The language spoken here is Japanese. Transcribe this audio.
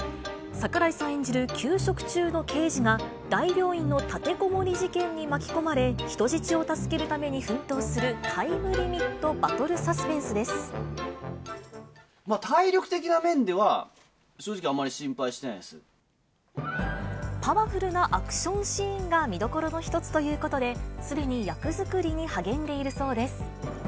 櫻井さん演じる休職中の刑事が、大病院の立てこもり事件に巻き込まれ、人質を助けるために奮闘するタイムリミット・バトル・サスペンス体力的な面では、正直、パワフルなアクションシーンが見どころの一つということで、すでに役作りに励んでいるそうです。